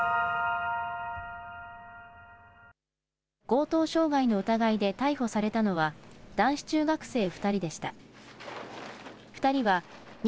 強盗傷害の疑いで逮捕されたのは、男子中学生２人でした。